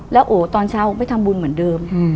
แล้วโอตอนเช้าไปทำบุญเหมือนเดิม